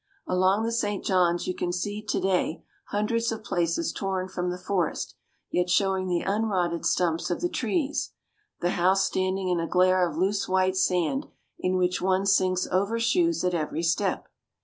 Along the St. John's you can see, to day, hundreds of places torn from the forest, yet showing the unrotted stumps of the trees; the house standing in a glare of loose white sand, in which one sinks over shoes at every step.